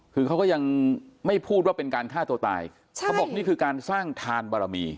คือเขาก็ยังไม่พูดว่าเป็นการฆ่าตัวตายใช่เขาบอกนี่คือการสร้างทานบารมี